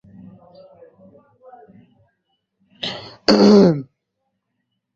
শ্বেত নীল নদ আফ্রিকার মধ্যভাগের হ্রদ অঞ্চল হতে উৎপন্ন হয়েছে।